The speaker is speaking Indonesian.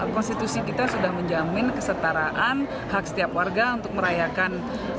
konstitusi kita sudah menjamin kesetaraan hak setiap warga untuk merayakan